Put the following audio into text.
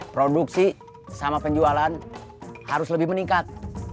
produksi sama penjualan harus lebih meningkat